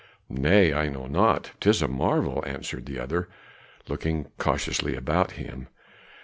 "Nay, I know not; 'tis a marvel," answered the other, looking cautiously about him.